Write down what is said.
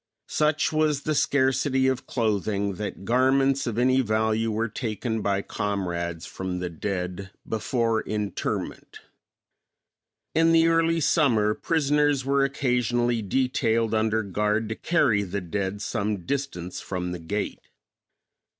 Such was the scarcity of clothing that garments of any value were taken by comrades from the dead before interment. In the early summer prisoners were occasionally detailed under guard to carry the dead some distance from the gate.